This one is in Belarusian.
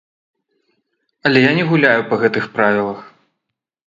Але я не гуляю па гэтых правілах.